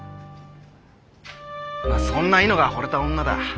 まあそんな猪之がほれた女だ。